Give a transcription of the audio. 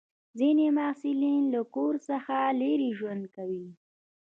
ځینې محصلین له کور څخه لرې ژوند کوي.